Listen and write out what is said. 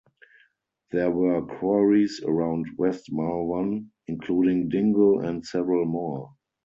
There were quarries around West Malvern including Dingle and several more.